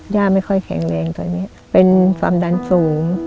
ย่าไม่ค่อยแข็งแรงตอนนี้เป็นความดันสูง